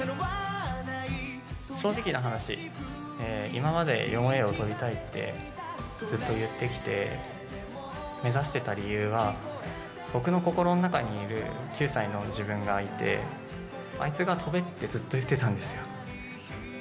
正直な話、今まで４Ａを跳びたいってずっと言ってきて、目指してた理由は、僕の心の中にいる９歳の自分がいて、あいつが跳べってずっと言ってたんですよ。